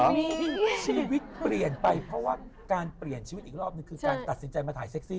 ชีวิตเปลี่ยนไปเพราะว่าการเปลี่ยนชีวิตอีกรอบนึงคือการตัดสินใจมาถ่ายเซ็กซี่